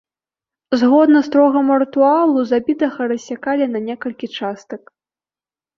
Згодна строгаму рытуалу, забітага рассякалі на некалькі частак.